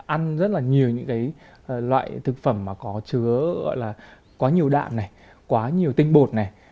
ăn rất là nhiều những cái loại thực phẩm mà có chứa gọi là quá nhiều đạm này quá nhiều tinh bột này